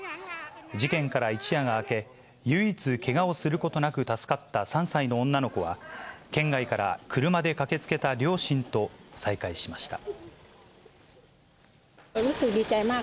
事件から一夜が明け、唯一、けがをすることなく助かった３歳の女の子は、県外から車で駆けつけた両親と再会しました。